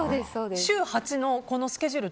週８のスケジュール